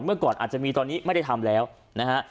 เมื่อก่อนอาจจะมีตอนนี้ไม่ได้ทำแล้วนะฮะ